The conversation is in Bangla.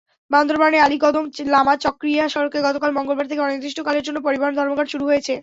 বান্দরবানের আলীকদম-লামা-চকরিয়া সড়কে গতকাল মঙ্গলবার থেকে অনির্দিষ্টকালের জন্য পরিবহন ধর্মঘট শুরু হয়েছে।